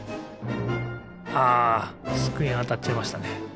あつくえにあたっちゃいましたね。